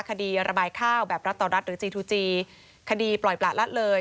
คดีระบายข้าวแบบรัฐต่อรัฐหรือจีทูจีคดีปล่อยประละเลย